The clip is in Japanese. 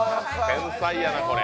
天才やな、これ。